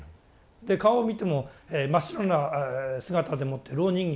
で顔を見ても真っ白な姿でもって蝋人形。